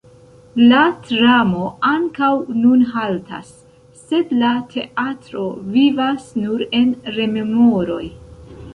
La tramo ankaŭ nun haltas, sed la teatro vivas nur en rememoroj.